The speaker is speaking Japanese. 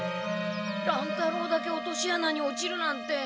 乱太郎だけ落としあなに落ちるなんて。